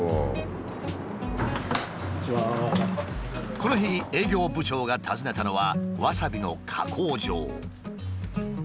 この日営業部長が訪ねたのはわさびの加工場。